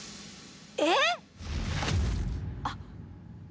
えっ？あっ。